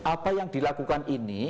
apa yang dilakukan ini